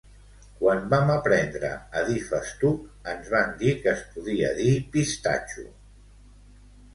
Quan vam aprendre a dir festuc ens van dir que es podia dir pistatxo